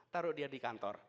taruh dia di kantor